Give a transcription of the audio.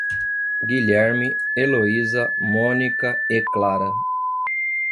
Guilherme, Eloísa, Mônica e Clara